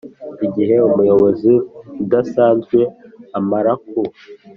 Igihe umuyobozi udasanzwe amara ku